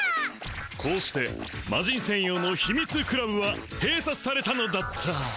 こうしてマジン専用の秘密クラブは閉鎖されたのだったぁ！